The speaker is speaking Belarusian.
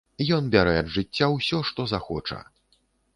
Ён бярэ ад жыцця ўсё, што захоча.